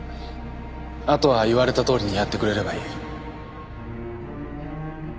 あとは言われたとおりにやってくれればいい。